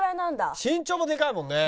身長もでかいもんね。